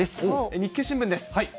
日経新聞です。